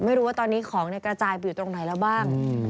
ไม่รู้ว่าตอนนี้ของกระจายไปอยู่ตรงไหนแล้วบ้าง